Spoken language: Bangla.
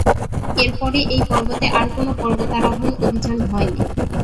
এর পরে এই পর্বতে আর কোন পর্বতারোহণ অভিযান হয়নি।